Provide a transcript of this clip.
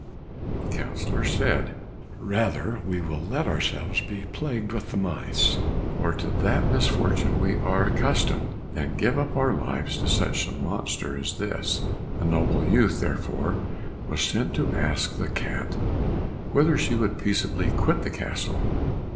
The councillors said, "Rather will we let ourselves be plagued with the mice, for to that misfortune we are accustomed, than give up our lives to such a monster as this." A noble youth, therefore, was sent to ask the cat "whether she would peaceably quit the castle?"